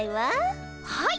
はい。